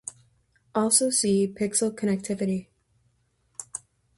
Also see pixel connectivity.